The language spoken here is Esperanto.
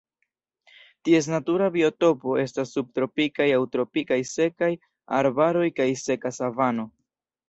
Ties natura biotopo estas subtropikaj aŭ tropikaj sekaj arbaroj kaj seka savano.